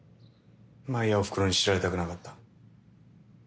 舞やおふくろに知られたくなかった。